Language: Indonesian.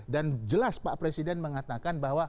dan jelas pak presiden mengatakan bahwa